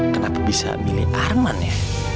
kenapa bisa milih arman ya